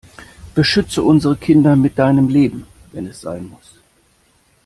Beschütze unsere Kinder mit deinem Leben, wenn es sein muss!